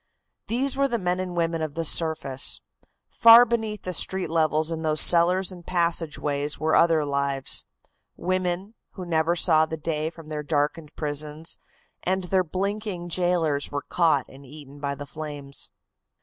These were the men and women of the surface. Far beneath the street levels in those cellars and passageways were other lives. Women, who never saw the day from their darkened prisons, and their blinking jailors were caught and eaten by the flames."